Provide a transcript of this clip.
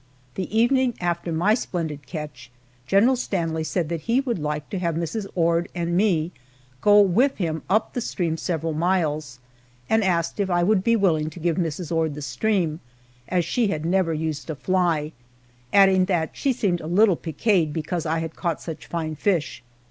The evening after my splendid catch, General Stanley said that he would like to have Mrs. Ord and me go with him up the stream several miles, and asked if I would be willing to give Mrs. Ord the stream, as she had never used a fly, adding that she seemed a little piqued because I had caught such fine fish.